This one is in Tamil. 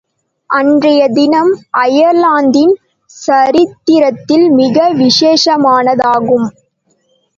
அன்றைய தினம் அயர்லாந்தின் சரித்திரத்தில் மிக விசேஷமானதாகும்.